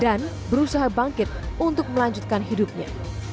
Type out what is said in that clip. dan berusaha bangkit untuk melanjutkan hidupnya